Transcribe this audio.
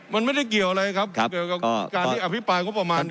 มันไม่ได้เกี่ยวอะไรครับเกี่ยวกับการที่อภิปรายงบประมาณ